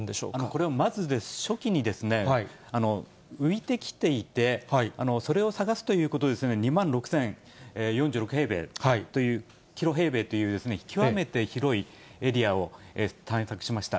これはまず、初期に浮いてきていて、それを捜すということで、２万６０４６平米、キロ平米という、極めて広いエリアを探索しました。